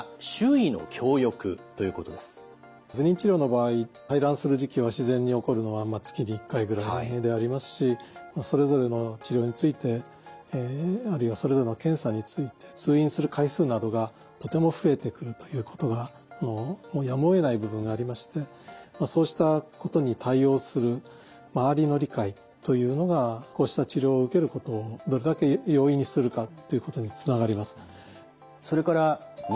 不妊治療の場合排卵する時期は自然に起こるのは月に１回ぐらいでありますしそれぞれの治療についてあるいはそれぞれの検査について通院する回数などがとても増えてくるということがもうやむをえない部分がありましてそうしたことに対応する周りの理解というのがこうした治療を受けることをどれだけ容易にするかということにつながります。